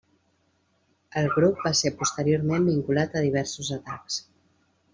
El grup va ser posteriorment vinculat a diversos atacs.